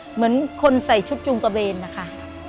เหมือนคนใส่ชุดจูงกระเบนนะคะ